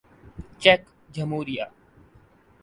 check جمہوریہ